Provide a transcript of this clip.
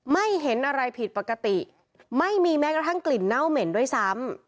ไม่เห็นอะไรผิดปกติไม่มีแม้กระทั่งกลิ่นเน่าเหม็นด้วยซ้ำ